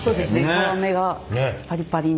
皮目がパリパリに。